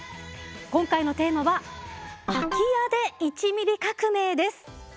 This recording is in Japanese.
今回のテーマは「空き家で１ミリ革命」です。